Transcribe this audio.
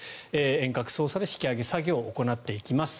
遠隔操作で引き揚げ作業を行っていきます。